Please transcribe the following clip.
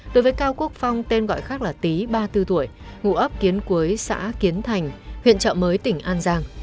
đối với cao quốc phong tên gọi khác là tý ba mươi bốn tuổi ngụ ấp kiến quế xã kiến thành huyện trợ mới tỉnh an giang